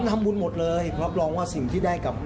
ทำบุญหมดเลยรับรองว่าสิ่งที่ได้กับ